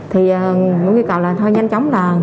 thì muốn ghi cầu là thôi nhanh chóng là